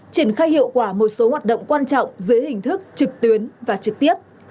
triển khai hiệu quả một số hoạt động quan trọng dưới hình thức trực tuyến và trực tiếp